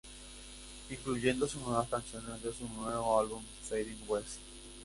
Incluyendo sus nuevas canciones de su nuevo álbum Fading West.